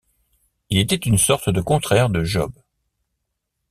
Il était une sorte de contraire de Job.